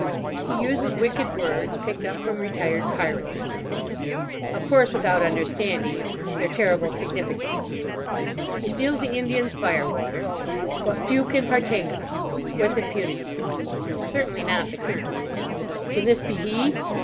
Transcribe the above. He uses wicked words, picked up from retired pirates. "Of course without understanding. Their terrible significance." He steals the Indian's fire water. "What few can partake of. With impunity." Certainly not the Colonel. "Can this be he!